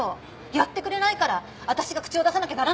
やってくれないからわたしが口を出さなきゃならないんじゃない。